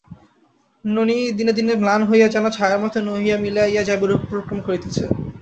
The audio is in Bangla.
ননি দিনে দিনে ম্লান হইয়া যেন ছায়ার মতো হইয়া মিলাইয়া যাইবার উপক্রম করিতেছে।